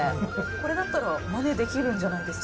これだったらマネできるんじゃないですか？